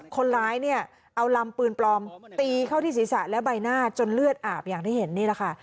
คนร้ายเนี่ยเอาลำปืนปลอมตีเข้าที่ศีรษะและใบหน้าจนเลือดอาบอย่างที่เห็นนี่แหละค่ะ